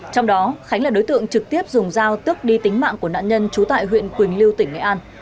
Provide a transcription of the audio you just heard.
trong đó khánh là đối tượng trực tiếp dùng giao tước đi tính mạng của nạn nhân trú tại huyện quỳnh lưu tỉnh nghệ an